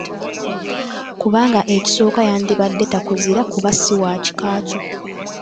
Kubanga ekisooka yandibadde takuzira kuba si wa kika kyo.